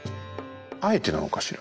あえてなのかしら？